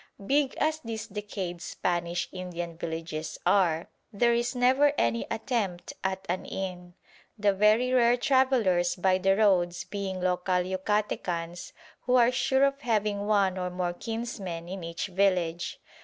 Big as these decayed Spanish Indian villages are, there is never any attempt at an inn, the very rare travellers by the roads being local Yucatecans who are sure of having one or more kinsmen in each village.